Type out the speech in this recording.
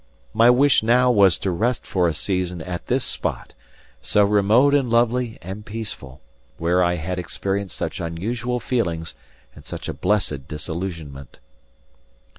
My wish now was to rest for a season at this spot, so remote and lovely and peaceful, where I had experienced such unusual feelings and such a blessed disillusionment.